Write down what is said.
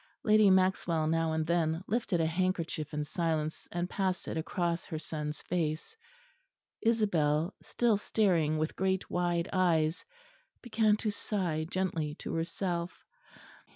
Lady Maxwell now and then lifted a handkerchief in silence and passed it across her son's face. Isabel, still staring with great wide eyes, began to sigh gently to herself.